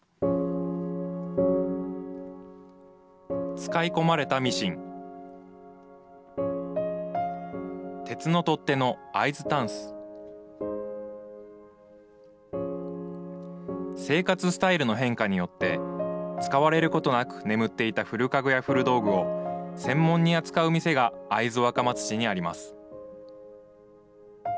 使い込まれたミシン鉄の取っ手の会津タンス生活スタイルの変化によって使われることなく眠っていた古家具や古道具を専門に扱う店が会津若松市にあります